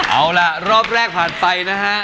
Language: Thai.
เอาล่ะรอบแรกผ่านไปนะฮะ